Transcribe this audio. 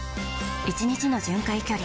１日の巡回距離